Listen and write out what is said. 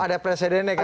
ada presidennya kan